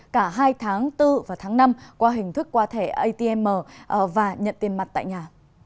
cả hai tháng bốn và tháng năm qua hình thức qua thẻ atm và nhận tiền mặt tại nhà